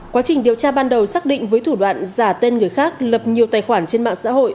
quá trình điều tra ban đầu xác định với thủ đoạn giả tên người khác lập nhiều tài khoản trên mạng xã hội